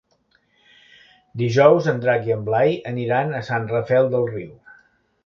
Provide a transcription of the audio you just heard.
Dijous en Drac i en Blai aniran a Sant Rafel del Riu.